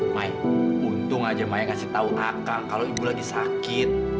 mai untung aja mai ngasih tau akang kalo ibu lagi sakit